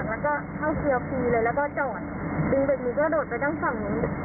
ขับรถมาก็เลยบอกให้เขาช่วยบอกว่างูมันอยู่ในรถก็มาเปิดให้เขาดู